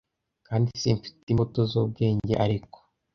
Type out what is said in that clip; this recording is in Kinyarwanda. kandi simfite imbuto zubwenge ariko